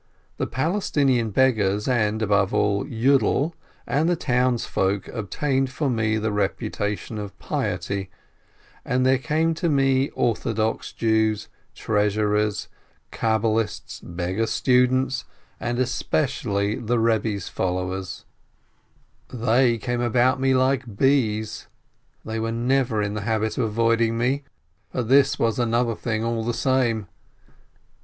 The Palestinian beggars and, above all, Yiidel and the townsfolk obtained for me the reputation of piety, and there came to me orthodox Jews, treasurers, cabalists, beggar students, and especially the Rebbe's followers; 38 JEHALEL they came about me like bees. They were never in the habit of avoiding me, but this was another thing all the same.